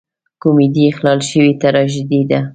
کمیډي اخلال شوې تراژیدي ده.